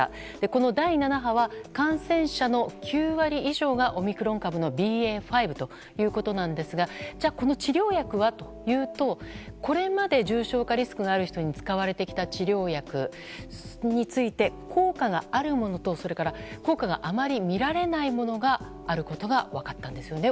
この第７波は感染者の９割以上がオミクロン株のＢＡ．５ということですがこの治療薬はというとこれまで重症化リスクがある人に使われてきた治療薬について効果があるものとそれから効果があまり見られないものがあることが分かったんですよね